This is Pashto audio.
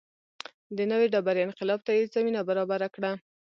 د نوې ډبرې انقلاب ته یې زمینه برابره کړه.